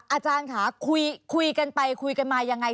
อาจารย์ค่ะคุยกันไปคุยกันมายังไง